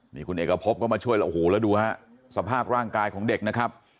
นี่คุณเอกพบก็มาช่วยแล้วโอ้โหแล้วดูฮะสภาพร่างกายของเด็กนะครับ